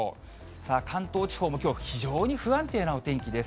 さあ、関東地方もきょう、非常に不安定なお天気です。